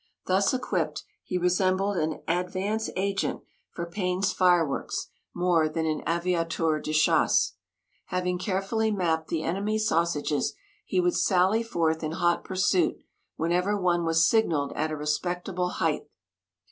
Thus equipped he resembled an advance agent for Payne's fireworks more than an aviateur de chasse. Having carefully mapped the enemy "sausages," he would sally forth in hot pursuit whenever one was signalled at a respectable height.